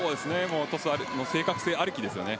トスの正確性ありきですよね。